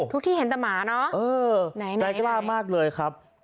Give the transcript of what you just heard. ทุกที่เห็นตะหมาเนาะเออใกล้ใกล้แกล้มากเลยครับ